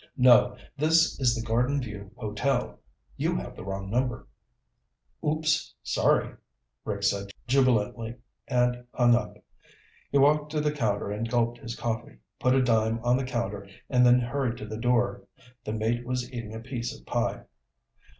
"No. This is the Garden View Hotel. You have the wrong number." "Oops, sorry," Rick said jubilantly, and hung up. He walked to the counter and gulped his coffee, put a dime on the counter and then hurried to the door. The mate was eating a piece of pie.